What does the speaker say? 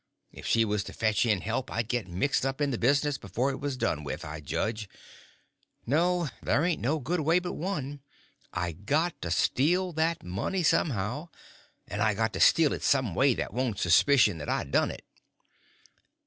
If she was to fetch in help I'd get mixed up in the business before it was done with, I judge. No; there ain't no good way but one. I got to steal that money, somehow; and I got to steal it some way that they won't suspicion that I done it.